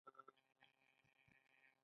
لاس په کار کیدل کله پکار دي؟